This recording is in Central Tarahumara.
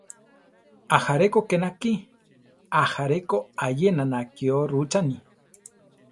Ajaré ko ké nakí; ajaré ko ayena nakió rucháni.